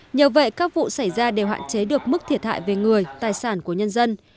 nhờ vậy các vụ xảy ra đều hạn chế được mức thiệt hại về người tài sản của nhân dân